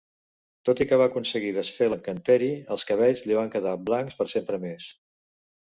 Tot i que va aconseguir desfer l'encanteri, els cabells li van quedar blancs per sempre més.